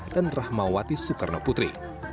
dan rahmawati soekarno putri